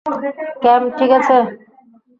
ক্যাম, ঠিক আছে?